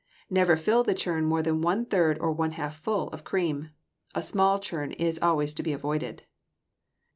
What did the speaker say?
Never fill the churn more than one third or one half full of cream. A small churn is always to be avoided.